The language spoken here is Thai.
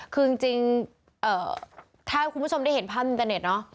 คือจริงถ้าคุณผู้ชมได้เห็นภาพอินเตอร์เน็ตเนอะ